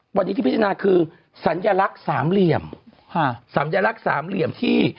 วันนี้ที่พิจารณาคือสัญลักษณ์สามเหลี่ยมสัญลักษณ์สามเหลี่ยมที่